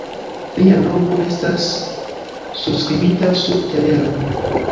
Lia nomo estas surskribita sur telero.